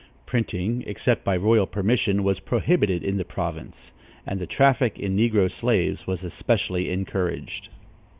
Printing, except by royal permission, was prohibited in the province, and the traffic in negro slaves was especially encouraged.